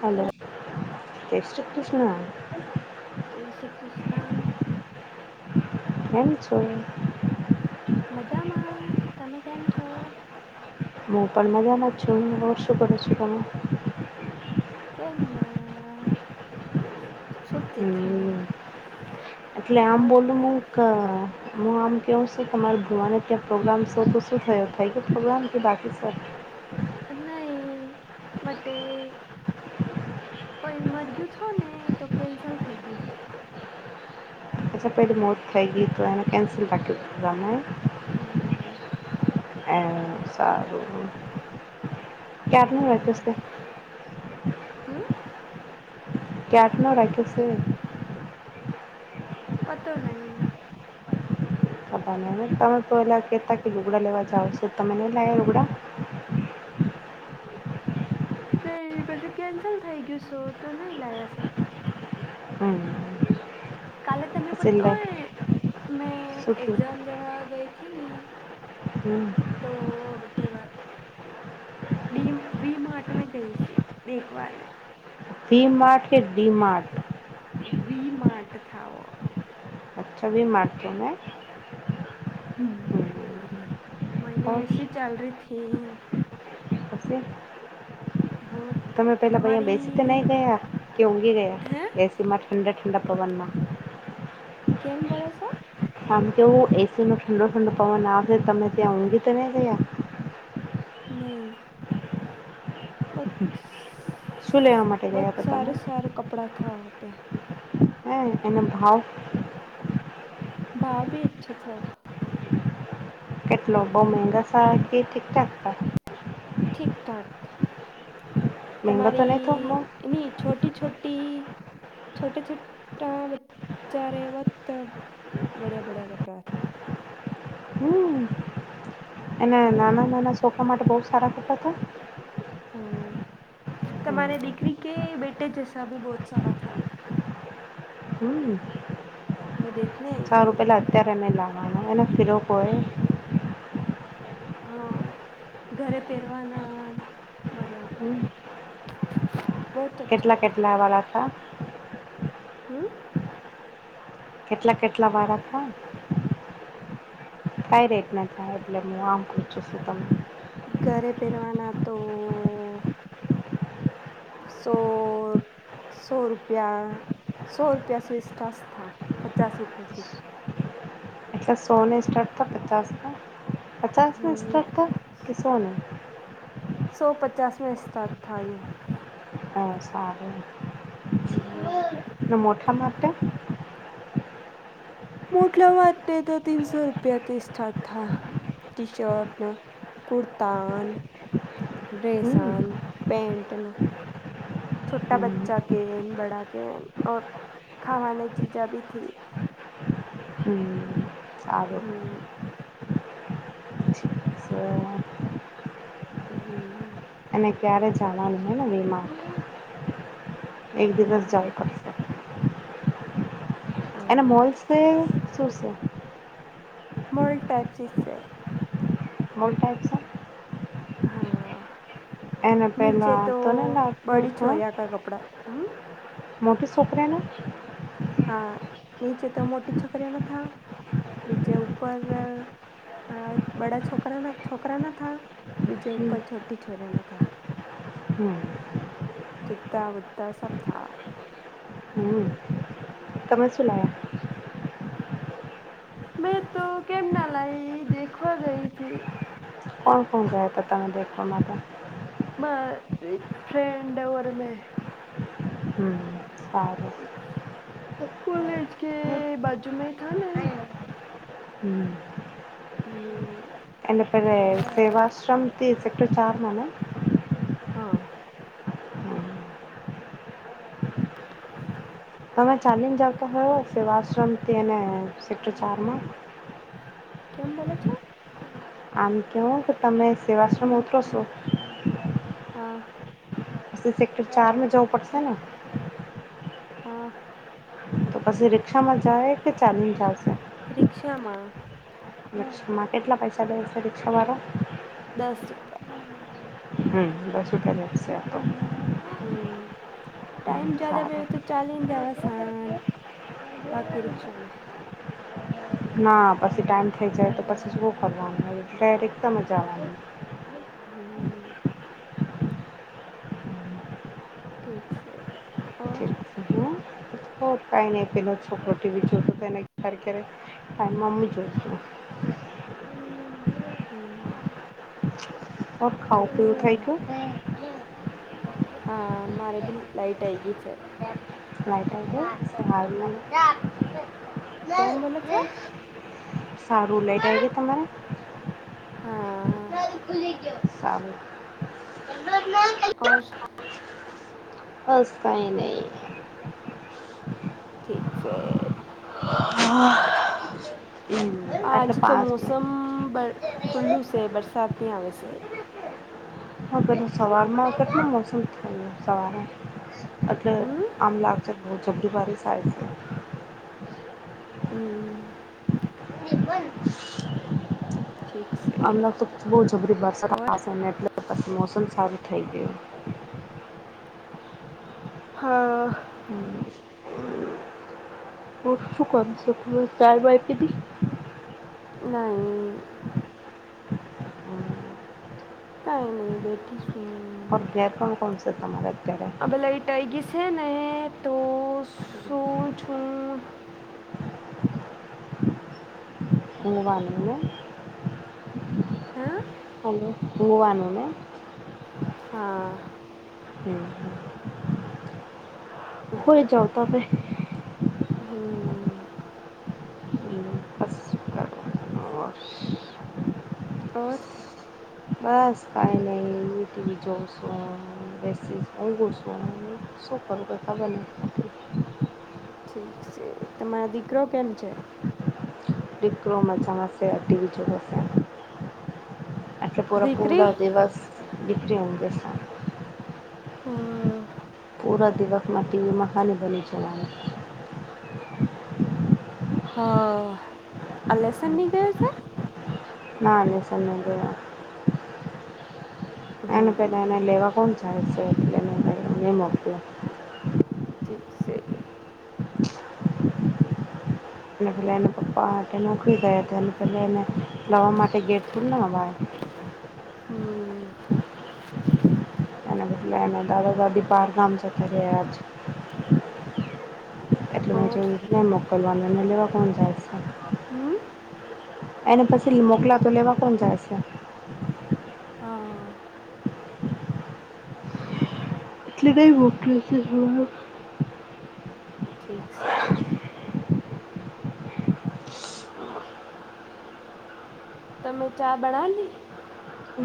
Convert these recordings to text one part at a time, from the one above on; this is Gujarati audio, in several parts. હલો, હેલો જય શ્રી કૃષ્ણ. જય શ્રી કૃષ્ણ. કેમ છો? મજામાં. તમે કેમ છો? હું પણ મજામાં જ છું. હવે શું કરો છો તમે? કેમ ના સુતી છું હમ્મ. એટલે આમ ઓર બોલું [unintelligible] હું આમ કહેવું સું કે મારે ભુવાને ત્યાં પ્રોગ્રામ સે, તો શું થયું? થઈ ગયું પ્રોગ્રામ કે બાકી સે? નહી વટેે. કોઈ મર ગયું થો ને તો કેન્સલ થઈ ગયું. અચ્છા પહેલી મોત થઈ ગઈ તો એને કેન્સલ રાખી [unintelligible] હા. એમ સારું. ક્યારનું [unintelligible] હમ હમ [unintelligible] ક્યારનો રાખ્યો સે? પતો નહીં. [unintelligible] તમે પહેલા કહેતા કી લુગડા લેવા જાવ સું, તમે નો લાયા લુગડા? તેઈ પછી કેન્સલ થઈ ગયું સો, તો નહીં લાયા સ. હમ્મ-હમ્મ. કાલે તમે પતો હે મેં શું એક્ઝામ દેવા ગઈ થી ની હમ્મ. તો [unintelligible] ડીમ વી માાર્ટ મેં ગઈ સે, દેખવાને. ડી માર્ટ કે વી માર્ટ થા વો. અચ્છા. વી માર્ટ [unintelligible] મેને બસ એસી ચાલ રહી થીન કસે? હું તમે પહેલાં ભઈ આ બેસી તમારી તે નહીં ગયા કે ઊંઘી ગયા, હે એસીમાં ઠંડા-ઠંડા પવનમાં. કેમ બોલો સો? આમ કેવું એ સીનો ઠંડો-ઠંડો પવન આવેસે તમે ત્યાં ઊંઘી તો નહીં ગયા? નહીં. શું [unintelligible] લેવા માટે ગયા બહોત હતા તમે સારે-સારે કપડાં થા વહાં પે. હે. એના ભાવ ભાવ ભી [unintelligible] કેટલો? બહું મહેંગા સારા કી ઠીક-ઠાક થા? ઠીક-ઠાક. મહેંગા તો તમારી નહીં થયો બહુ એની છોટી-છોટી છોટી છોટા બચ્ચા [unintelligible] બડે-બડા કપડાં થા. હમ્મ. એને હા નાના-નાના સોકરા માટે બહુ સારા કપડા થા? હમ્મ. તમારે હમ દીકરી કે બેટે જૈસા ભી બહોત સારા થા. હમ્મ. સારું પેલા અત્યારે અમે લાવવાનું એ ફિરો કોય. અ ઘરે પેરવાના મતલબ. હમ કેટલા કેટલા વાળા હતા. હમ્મ. કેટલા કેટલા વાળા હતા. કાંઈ રેટને ના થાય એટલે હું આમ પૂછું છું તમને. ઘરે પહેરવાના તો. સો સો રૂપિયા સો રૂપિયા સ સ્ટાસ થા પચાસ રૂપિયાથી. એટલે સોની સ્ટાર્ટ થાય કે પચાસની પચાસની થી હમ સ્ટાર્ટ થાય કે સોની. સો પચાસમે સ્ટાર્ટ થાયું. તો સારું. હમ્મ. ને મોટા માટે. મોટા માટે તો તીનસો રૂપિયાથી સ્ટાર્ટ થા. ટી શર્ટ, કુરતાન, હમ ડ્રેસન પેન્ટ ન. છોટા હમ બચ્ચા કે બડા કે ઓર ખાવા ને ચિઝા બી થી. હમ્મ સારું. સો હમ્મ. એ ક્યારે જાવાનું હ ને મે મા એક દિવસ જાવું પડ એને મોલ છે શું છે. મોલ ટાઈપ સી છે. મોલ ટાઇપ છે. હા, એને નીચે પેલા તો ને લાગતું બડી હા છોરીયા કા કપડા મોટી છોકરીયાને. હા નીચે તો મોટી છોકરીયાના ન થા બીજે ઉપર અ બડા છોકરાના છોકરાના થા બીજે હમ ઉપર છોટી છોરીયાના થા. હમ જૂત્તા વુત્તા સબ થા. હમ્મ. તમે શું લાયા. મેં તો કેમ ના લાઈ દેખવા ગઈ થી. કુણ-કુણ ગયાં હતા તમે દેખવા માટે. માર એક ફ્રેન્ડ ઓર મેં. હમ્મ સારું. કોલેજ કે બાજુમાં મેં થા ને. હમ્મ. હમ્મ. એના પેલે સેવાશ્રમથી સેક્ટર ચાર માને. હા. તમે તમે ચાલીને જતા હોય સેવાશ્રમથીને એને સેકટર ચારમાં. કેમ બોલે છે. આમ કેવો કે તમે સેવાશ્રમ ઉતરો છો. હા. સુ સેક્ટર ચારમે જવું પડશે ને હા તો પછી રિક્ષામાં જાયે કે ચાલીને જાશુ રિક્ષામાં. રિક્શામાં કેટલા પૈસા લેશે રિક્ષાવારો દસ રૂપિયા હમ્મ દસ રૂપિયા લેશે તો હમ્મ હમ ટાઈમ જયાદા સારું [unintelligible] તો ચાલીને જાવા શાંન બાકી રિક્ષામેં ના પછી ટાઈમ થઇ જાય તો પછી શું ફરવાનું [unintelligible] રિક્ષામાં જાવાનું હમ્મ ઠીક સે અવે હં હો કાંઈ નઈ પેલો છોકરો ટી વી જોતો તો એને ક્યારે ક્યારે ટાઈમ મમ્મી જોશે હમ્મ ઓર ખાવું ઠીક પીવું સે. થઈ ગયું હાં મારે બી લાઈટ આઈ ગઈ છે. લાઈટ આઈ કેમ બોલો છો ગઈ [unintelligible] સારું લાઈટ આઈ ગઈ તમારે હાં. સારુ અસ બસ કાંઈ નઈ ઠીક છે હા [unintelligible] આજ તો મોસમ બર ખુલ્લું સે બરસાત ની આવે સે હ પેલું સવારમાં કેટલું મોસમ થાયે સવારે એટલે હમ આમ લા જબરુ બારી સાઈડ સે હમ્મ એ પન ઠીક છે અમણાં તો બહ જબરી વરસાત ઓર આવશે ને એટલે પછી મોસમ સારું થઈ ગયું. હા હમ્મ બોલ શું કરું [unintelligible] ચાય બાય પીધી નઈ ઉં બેઠી સુ [unintelligible] કોણ સે તમારે અત્યારે અબ લાઈટ આઈ ગઈ સે ને તો સુવ છું લેવાનુ ને હા હલો હુવાનુંને હા હમ્મ. હુઈ જાવ તમે હમ્મ હમ્મ બસ શું કરવાનું? અવાજ બસ કાંઈ નઈ ટી વી જોઉ સુ આ બેસી [unintelligible] શું કરુ કંઈ ખબર નઈ ઠીક સે. તમારા દીકરો કેમ છે. ડિકરો માજામા સે, ટી‌વી જોવે છે. એટલે પૂરો દીકરી પૂરો દિવસ ડીકરી ઉંઘે સે. અમ, પૂરા દિવસમા ટીવી મા હાની બાની ચલાવે. હ આ લેસનની ગયો અસે. ના લેસોન નહિ ગયો. એને હમ પેલા એને લેવા કોણ જાય સે એટલેને ની મોકયો. ઠીક સે. એને પેલા એના પપ્પા હાટે નોકરી ગયા તા, એને પેલા એને લવા માટે ગેર થોડી ન અવાય. હમ ને એટ્લે ન દાદ-દાદી બાર કામ જતા રીયા આજ. એટલે મેં ઓર જોયુ ને મોકલવા ને મે લેવા કોણ જાય સે. હમ્મ. એને પસી લ મોકલા તો લેવા કોણ જાયસે. હા. એટલે કઈ વોકસે જોહે. ઠીક સે. તમે ચા બનાણલી?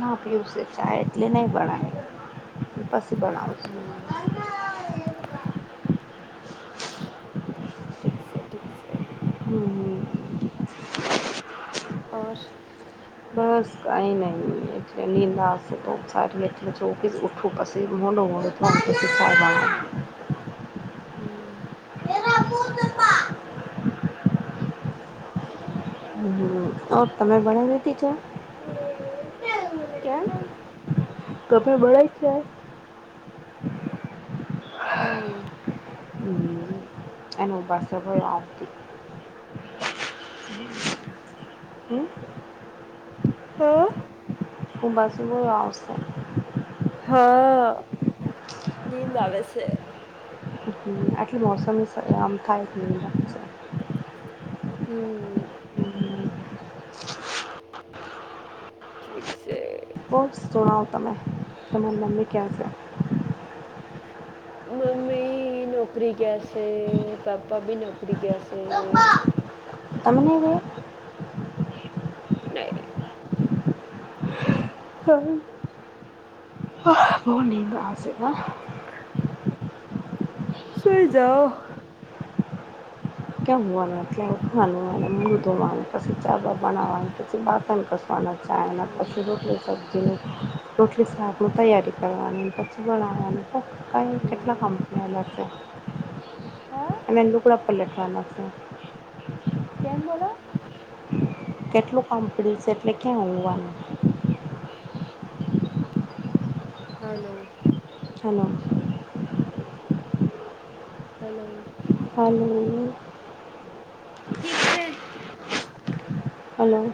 ના પીવુસે ચાય એટલે નઈ બણાઈ પસી હમ બણાવશું. સે ઠીસ સે. હમ્મ. ઓર. બસ કાંઈ નઈ એટલે નીંદાસે તો સારી એટલે ચોખસ ઉઠું પસી મોડો મોડ [unintelligible] હમ્મ. હમ્મહ. અ તમે બણેલી તી ચા? કેમ? કપે બળાઈ ચાય? નઈ. હમ્મ. એનો બાસે ભઈ આવતી હમ્મ. હા ઉબા સી બયો આવસે. હ. નીંદ આવેસે. હમ્મ, આટલે મોસમ સ અમથાય ગેયલા. હમ્મ. [inaudible] ઠીક સે. કોક સુણાવો તમે, તમે લંબી ક્યા સે. મમ્મી. નોકરી ગીયા સે, પાપા બી નોકરી ગીયાસે. તમ ને ગે. નઈ. હઅ બઉ નિંદ આવસે ના. સુઈ જાઓ. કે હુવાનું એટલે ઉઠવાનું ઓયને મૂળુ ધોવાનું પસી ચા-બા બનાવવાની પસી બાટણ ઘસ ખાના ખાયા એના પછી રોટલી સબ્જી ને. રોટલી સાક તૈયારી કરવાની પછી બનાવાનું. કઈ કેટલા કંપની અલગ છે. હા અને લુગડા પલટવાના છે. કેમ બોલો. કેટલું કામ પડયુ છે એટલે ક્યાં હુવાનું. Hello! Hello! Hello! Hello you. ઠીક છે. હલો!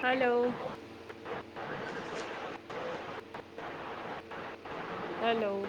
હલો! હલો!